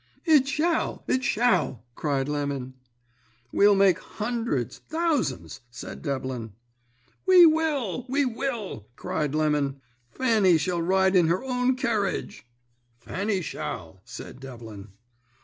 "'It shall, it shall!' cried Lemon. "'We'll make hunderds, thousands,' said Devlin. "'We will, we will!' cried Lemon. 'Fanny shall ride in her own kerridge.' "'Fanny shall,' said Devlin.